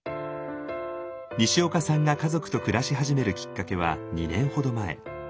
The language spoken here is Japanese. にしおかさんが家族と暮らし始めるきっかけは２年ほど前。